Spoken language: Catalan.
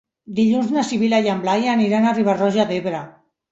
Dilluns na Sibil·la i en Blai aniran a Riba-roja d'Ebre.